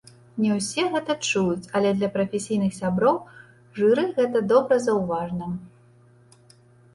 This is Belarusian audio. Не ўсе гэта чуюць, але для прафесійных сяброў жыры гэта добра заўважна.